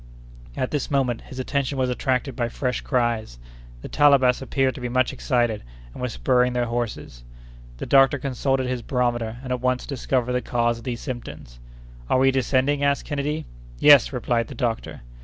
At this moment his attention was attracted by fresh cries. The Talabas appeared to be much excited, and were spurring their horses. The doctor consulted his barometer, and at once discovered the cause of these symptoms. "Are we descending?" asked Kennedy. "Yes!" replied the doctor.